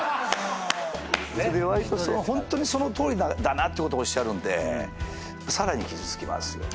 わりとホントにそのとおりだなってことおっしゃるんでさらに傷つきますよね。